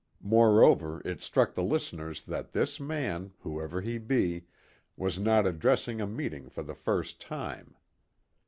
Moreover, it struck the listeners that this man, whoever he be, was not addressing a meeting for the first time.